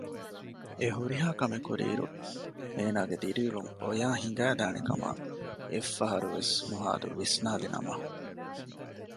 އެހުރިހާ ކެމެއްކުރިއިރު އޭނާގެ ދިރިއުޅުން އޮޔާ ހިނގައިދާނޭކަމަށް އެއްފަހަރުވެސް ނުހާދު ވިސްނާލިނަމަ